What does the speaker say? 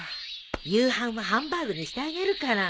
夕飯はハンバーグにしてあげるから。